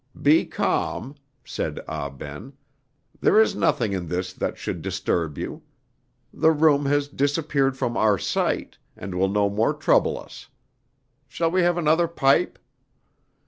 "Be calm," said Ah Ben; "there is nothing in this that should disturb you. The room has disappeared from our sight, and will no more trouble us. Shall we have another pipe?"